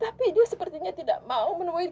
tapi dia sepertinya tidak mau menemui